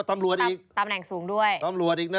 ตำแหน่งสูงด้วย